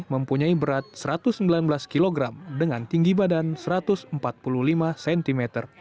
mempunyai berat satu ratus sembilan belas kg dengan tinggi badan satu ratus empat puluh lima cm